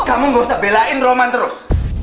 kamu gak usah belain roman terus